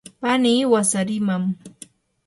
pani wasariman.